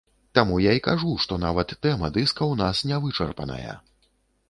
Таму я і кажу, што нават тэма дыска ў нас не вычарпаная.